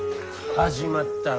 始まったわ。